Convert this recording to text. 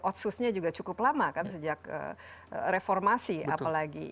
otsusnya juga cukup lama kan sejak reformasi apalagi